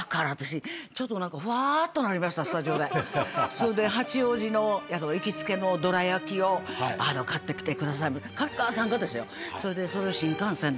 それで八王子の行きつけのどら焼きを買ってきて上川さんがですよ。それでそれを新幹線で。